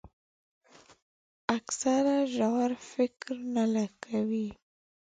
اکثره ژور فکر نه کوي.